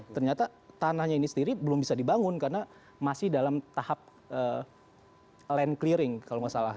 ternyata tanahnya ini sendiri belum bisa dibangun karena masih dalam tahap land clearing kalau nggak salah